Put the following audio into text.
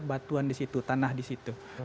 batuan di situ tanah di situ